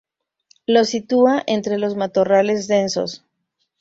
Lo sitúa entre los matorrales densos.